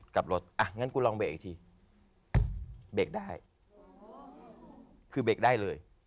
กลับรถอ่ะงั้นกูลองเบรกอีกทีเบรกได้คือเบรกได้เลย